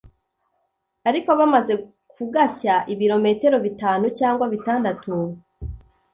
ariko bamaze kugashya ibirometero bitanu cyangwa bitandatu